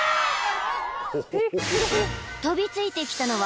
［飛びついてきたのは］